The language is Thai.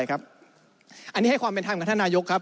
อันนี้ให้ความเป็นธรรมกับท่านนายกครับ